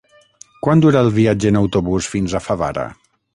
Quant dura el viatge en autobús fins a Favara?